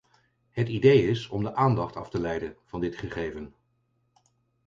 Het idee is om de aandacht af te leiden van dit gegeven.